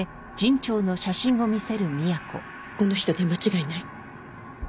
この人で間違いない？